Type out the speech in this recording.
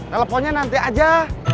teleponnya nanti aja